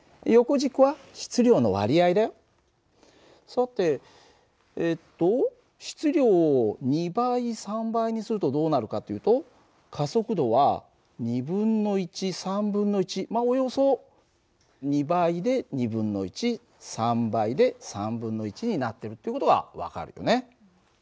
さてえっと質量を２倍３倍にするとどうなるかっていうと加速度は２分の１３分の１およそ２倍で２分の１３倍で３分の１になってるっていう事が分かるよね。